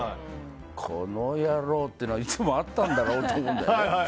この野郎ってのはいつもあったんだろうと思うんだよね。